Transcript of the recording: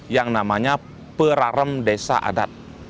yang namanya perarem desa adat